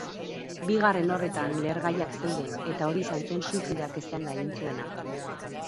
Bigarren horretan lehergaiak zeuden, eta hori izan zen suizidak eztanda egin zuena.